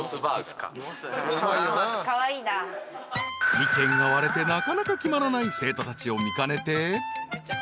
［意見が割れてなかなか決まらない生徒たちを見かねて］